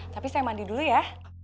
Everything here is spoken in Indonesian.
tapi saya mandi dulu ya